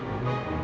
mana sih ini orang